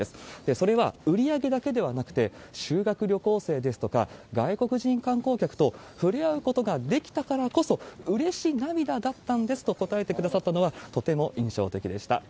それは、売り上げだけではなくて、修学旅行生ですとか、外国人観光客とふれあうことができたからこそ、うれし涙だったんですと答えてくださったのは、とても印象的でした。